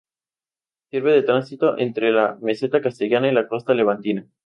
Sirve de tránsito entre la meseta castellana y la costa levantina.